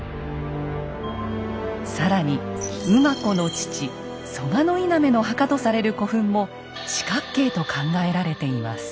更に馬子の父蘇我稲目の墓とされる古墳も四角形と考えられています。